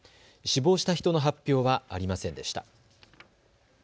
死亡した人の発表はありませんでした。